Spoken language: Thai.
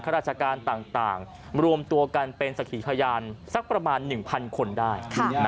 ราชการต่างรวมตัวกันเป็นสักขีพยานสักประมาณ๑๐๐คนได้